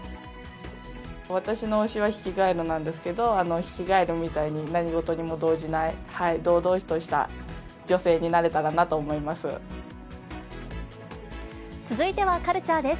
私の推しはヒキガエルなんですけど、ヒキガエルみたいに何事にも動じない、堂々とした女性になれたらなと思います。